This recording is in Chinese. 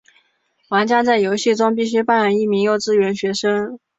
玩家在游戏中必须扮演一名幼稚园学生。